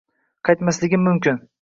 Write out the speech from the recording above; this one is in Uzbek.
Qaytmasligim mumkin